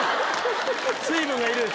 水分がいる。